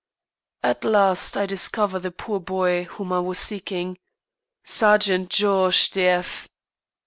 At last I discover the poor boy whom I was seeking, "Sergent Georges de F."